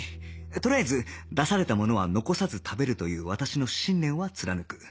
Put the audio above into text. とりあえず出されたものは残さず食べるという私の信念は貫く